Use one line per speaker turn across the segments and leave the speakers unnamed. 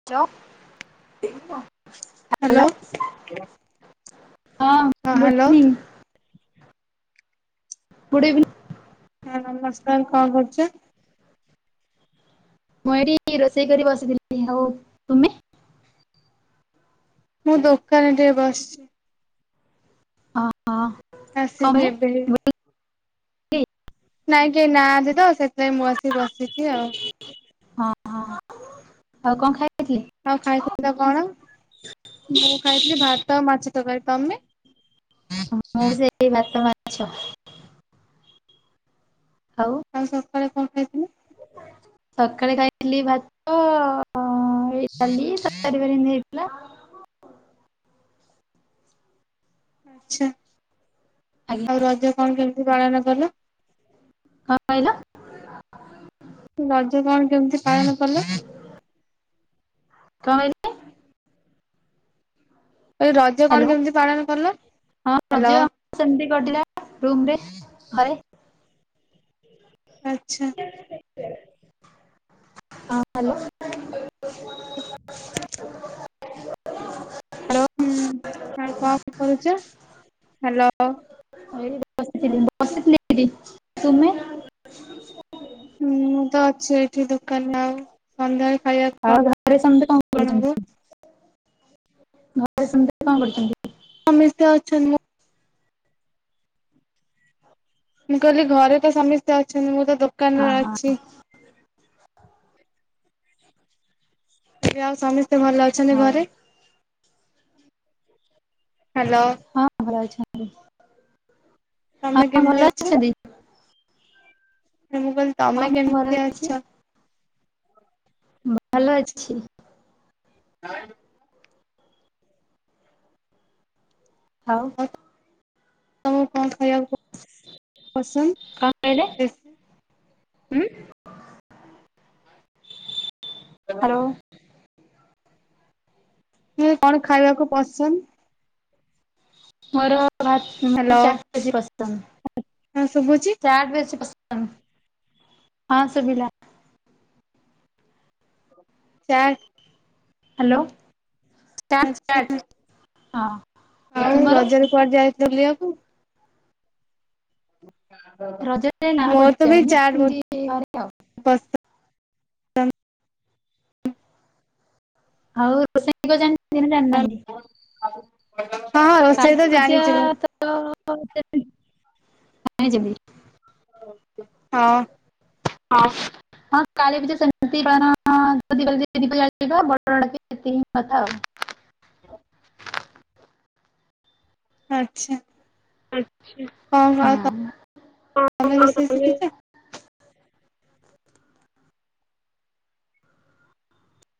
[unintelligible]
Hello, ହଁ
ହଁ good
hello.
Evening good evening
ହଁ ନମସ୍କାର କଣ କରୁଛ?
ମୁଁ ଏଠି ରୋଷେଇ କରି ବସିଥିଲି, ହଉ ତୁମେ?
ମୁଁ ଦୋକାନ ଟିଏ ବସିଛି।
ହଁ କଣ
ଆସିବି
ପାଇଁ
ଏବେ।
ବୁଲି
ନାଇଁ କିଏ ନାହାନ୍ତି ତ ସେଥିପାଇଁ ମୁଁ ଆସିି ବସିଛି ଆଉ।
ହଁ, ହଁ, ଆଉ କଣ ଖା
ଆଉ ଖାଇଥିଲ କଣ? ମୁଁ ଖାଇଥିଲି ଭାତ ମାଛ ତରକାରୀ, ତମେ?
ମୁଁ ସେଇ ଭାତ ମାଛ। ଆଉ?
ଆଉ ସକାଳେ କଣ ଖାଇଥିଲ?
ସକାଳେ ଖାଇଥିଲି ଭାତ ଅ ଏଇ ଡାଲି [unintelligible] ହେଇଥିଲା।
ଆଚ୍ଛା। ଆଉ
ଆଜ୍ଞା।
ରଜ କଣ କେମିତି ପାଳନ କଲ?
କଣ କହିଲ?
ରଜ କଣ କେମିତି ପାଳନ କଲେ?
କଣ କହିଲେ?
ଏଇ ରଜ କଣ
ହ୍ୟାଲୋ
କେମିତି ପାଳନ କଲ?
ହଁ ରଜ
ହ୍ୟାଲୋ।
ସେମିତି କଟିଲା ରୁମ୍ରେ, ଘରେ?
ଆଚ୍ଛା।
ହଁ ହ୍ୟାଲୋ?
[unintelligible]
ହ୍ୟାଲୋ
ହୁଁ ଆ କଣ କରୁଚ ହାଲୋ।
ଏଇ ବସିଥିଲି ବସିଥିଲି ଏଇଟି, ତୁମେ?
ହୁଁ ମୁଁ ତ ଅଛି ଏଇଠି ଦୋକାନେ ଆଉ ସନ୍ଧ୍ୟାଳେ ଖାଇବା
ଆଉ ଘରେ ସମେତେ କଁ କରୁଚନ୍ତି ଘରେ ସମେତେ କଁ କରୁଚନ୍ତି?
ସମେସ୍ତେ ଅଛନ୍ତି। ମୁଁ କହିଲି ଘରେ ତ ସମିସ୍ତେ ଅଛନ୍ତି ମୁଁ ତ
ଅ
ଦୋକାନରେ
ହଁ
ଅଛି। ଲି ଆଉ ସମିସ୍ତେ ଭଲ ଅଛନ୍ତି
ହଉ
ଘରେ, ହାଲୋ।
ହଁ ଭଲ ଅଛନ୍ତି। ହଁ
ତମେ
ଭଲ
କେମତି ଅଛ?
ଅଛନ୍ତି।
ମୁଁ କହିଲି
ହଁ
ତମେ
ମୁଁ ଭଲ
କେମତି
ଅଛି।
ଅଛ?
ଭଲ ଅଛି।
[unintelligible]
ଆଉ
ତମୁ କଣ ଖାଇବାକୁ ପସନ୍ଦ
କଣ କହିଲେ?
ବେସ୍
ଉଁ। ହାଲୋ।
ହୁଁ କଣ ଖାଇବାକୁ ପସନ୍ଦ?
ମୋର ଭା
ହ୍ୟାଲୋ
[unintelligible]
ହଁ ସବୁ ଅଛି।
ଚାଟ ବେଶି ପସନ୍ଦ, ହଁ ସୁବିଲା।
ଚା
ହାଲୋ, ଷ୍ଟାର୍ଟ
ଆଚ୍ଛା।
ଷ୍ଟାର୍ଟ ହଁ
ଆଉ
ତୁମର?
ରଜରେ କୁଆଡେ ଯାଇଥିଲ ବୁଲିଆକୁ?
ରଜରେ ନା
ମୋର
କୁଆଡେ
ତ ବି
ଯାଏନି
ଚାଟ୍ ବହୁ
ଏମିତି ଘରେ ଆଉ।
ପସ
ଆଉ ରୋଷେଇ କ ଜାଣିଚନ୍ତିି ନା ଜାଣିନାହାନ୍ତି?
ହଁ
କାଳୀ
ରୋଷେଇ ତ
ପୂଜା
ଜାଣିଚି ମୁଁ।
[inaudible]
ହଁ।
ହଁ ହଁ କାଳି ପୂଜା ସେମତି [unintelligible] ହଁ [unintelligible] କଥା ଆଉ।
[inaudible] ଆଚ୍ଛା। କଣ ଆଉ
ହଁ
ତମେ ରୋଷେଇ ଶିଖିଛ
[unintelligible]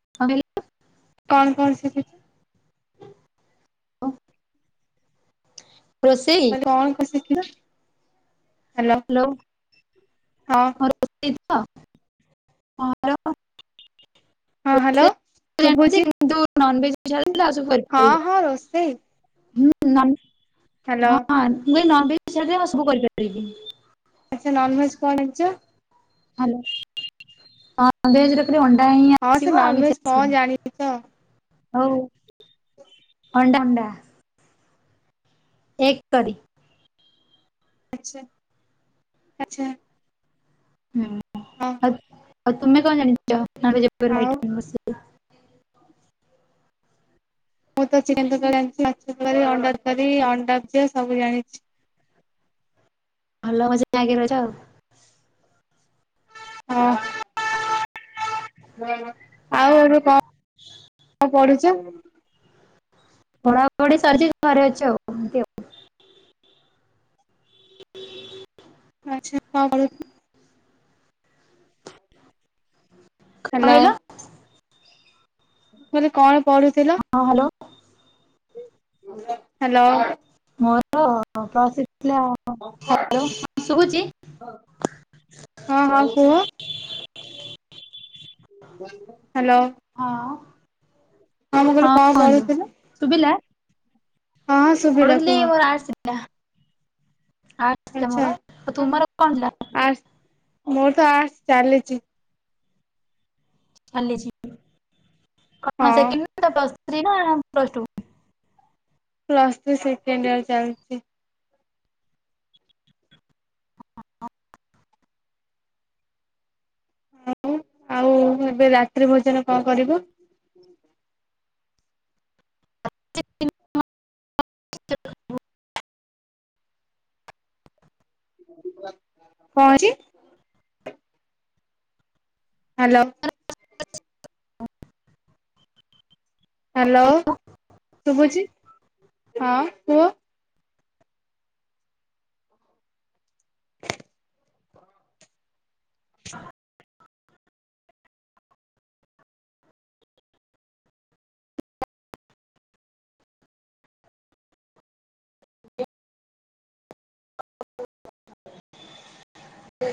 [unintelligible]
କଣ କଣ ଶିଖିଚୁ?
[inaudible] ରୋଷେଇ?
କଣ କ ଶିଖିଚ ହାଲୋ
ହ୍ୟାଲୋ
ହଁ।
ରୋଷେଇ ତ, ହଁ ହାଲୋ।
ହଁ ହାଲୋ
ଜାଣିଛି
ଶୁବୁଚି।
କିନ୍ତୁ ନନଭେଜ୍ କୁ ଛାଡିଦେଲେ ଆଉ ସବୁ କରି
ହଁ ହଁ ରୋଷେଇ।
[unintelligible]
ହ୍ୟାଲୋ
ହଁ ମୁଁ କହିଲି ନନଭେଜକୁ ଛାଡ ଦେଇ ଆଉ ସବୁ କରିପାରିବି।
ଆଚ୍ଛା ନନ୍ଭେଜ୍ କଁ [unintelligible]
ହାଲୋ ହଁ। ନନଭେଜ ରେ ଖାଲି ଅଣ୍ଡା ହିଁ
ହଁ ସେ
ଆସିବ ଆଉ
ନନଭେଜ
କିଛି
କଣ
ଆସିବନି।
ଜାଣିଛ
ହଉ ଅଣ୍ଡା ଅଣ୍ଡା। ଏଗ କରିି।
ଆଚ୍ଛା ଆଚ୍ଛା।
ହୁଁ
ହଁ
ଆଉ ଆଉ ତୁମେ କଣ ଜାଣିଛ
ଆଉ
[inaudible]
ମୁଁ ତ ଚିକେନ ତରକାରୀ ଜାଣିଛି ମାଛ ତରକାରୀ ଅଣ୍ଡା ତରକାରୀ ଅଣ୍ଡା [unintelligible] ସବୁ ଜାଣିଛି।
ଭଲ [inaudible] ରହିଛ ଆଉ।
ହଁ।
[inaudible]
ଆଉ ଏବେ କଁ ଅ ପଢ଼ୁଛ?
ପଢ଼ା ପଢ଼ି ସରିଯାଇଛି ଘରେ ଅଛି ଆଉ ଏମିତି ଆଉ।
ଆଚ୍ଛା କଁ [inaudible]
କଁ
ହ୍ୟାଲୋ
କହିଲ?
ମୁଁ କହିଲି କଣ ପଢ଼ୁଥିଲ?
ହଁ ହାଲୋ।
ହାଲୋ।
ମୋର ପ୍ଲସ୍ ଥ୍ରି ଥିଲା। ଶୁଭୁଛି?
ହଁ ହଁ କୁହ ହାଲୋ।
ହଁ
କହିଲି କଣ
କୁହନ୍ତୁ
ପଢୁଥିଲ
ଶୁଭିଲା?
ହଁ ହଁ ଶୁଭିଲା
ପଢ଼ୁଥିଲି
କୁହ
ମୋର ଆର୍ଟସ୍ ଥିଲା
ଆଚ୍ଛା
ଆଉ ତୁମର କଣ ଥିଲା?
ଆର୍ଟ୍ସ ମୋର ତ ଆର୍ଟସ୍ ଚାଲିଛି।
ଚାଲିଛି କଣ
ହଁ
ସେକେଣ୍ଡ [inaudible] ପ୍ଲ ଥ୍ରୀ ନା plus two.
Plus three second year ଚାଲିଛି। ଆଉ ଆଉ ଏବେ ରାତ୍ରି ଭୋଜନ କଁ କରିବ?
[inaudible]
କଁ ହେଇଚି? ହାଲୋ। ହ୍ୟାଲୋ ଶୁଭୁଛି ହଁ କୁହ।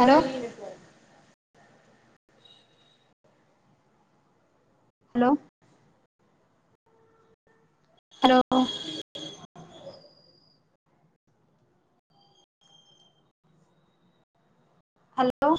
ହାଲୋ। ହାଲୋ। ହାଲୋ। ହାଲୋ।